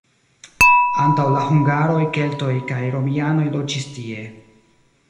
Antaŭ la hungaroj keltoj kaj romianoj loĝis tie.